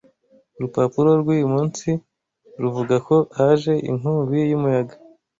Urupapuro rwuyu munsi ruvuga ko haje inkubi y'umuyaga.